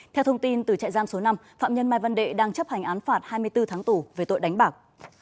theo thông tin từ chạy giam số năm phạm nhân mai văn đệ đang chấp hành án phạt hai mươi bốn tháng tù về tội đánh bạc